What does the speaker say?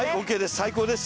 最高です。